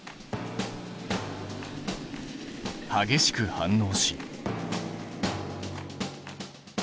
激しく反応し。